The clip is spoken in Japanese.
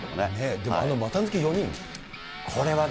でもこの股抜き４人。